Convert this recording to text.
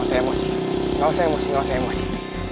enggak usah emosi